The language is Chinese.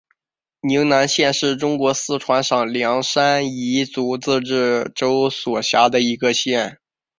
宁南县是中国四川省凉山彝族自治州所辖的一个县。